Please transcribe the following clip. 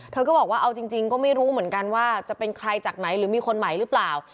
เธอก็บอกว่าเอาจริงก็ไม่รู้เหมือนกันว่าจะเป็นใครจากไหนหรือมีคนใหม่หรือเปล่า